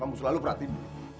kamu selalu merhatiin dia